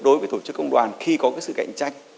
đối với tổ chức công đoàn khi có sự cạnh tranh